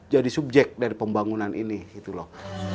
jadi subjek dari pembangunan ini gitu loh